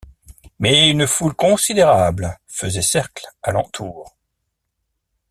Mais une foule considérable faisait cercle à l’entour.